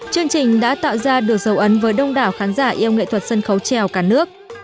chương trình đã tạo ra được dấu ấn với đông đảo khán giả yêu nghệ thuật sân khấu trèo cả nước